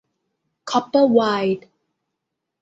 คอปเปอร์ ไวร์ด